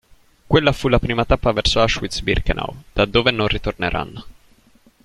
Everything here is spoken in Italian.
Quella fu la prima tappa verso Auschwitz-Birkenau, da dove non ritorneranno.